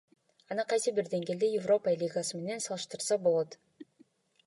Аны кайсы бир деңгээлде Европа Лигасы менен салыштырса болот.